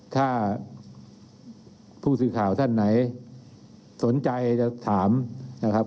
ถ้าผู้สื่อข่าวท่านไหนสนใจจะถามนะครับ